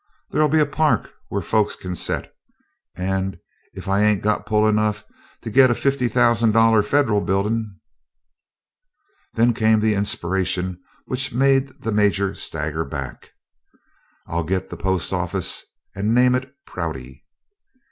There'll be a park where folks can set, and if I ain't got pull enough to git a fifty thousand dollar Federal Buildin' " Then came the inspiration which made the Major stagger back: "I'll git the post office, and name it Prouty!"